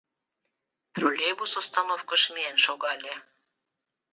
Троллейбус остановкыш миен шогале.